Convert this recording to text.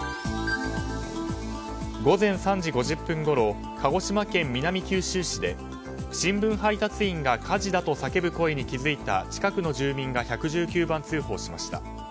午前３時５０分ごろ鹿児島県南九州市で新聞配達員が火事だと叫ぶ声に気付いた近くの住民が１１９番通報しました。